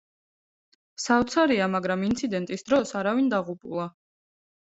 საოცარია, მაგრამ ინცინდენტის დროს არავინ დაღუპულა.